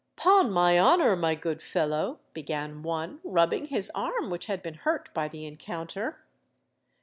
"'Pon my honour, my good fellow——" began one, rubbing his arm which had been hurt by the encounter.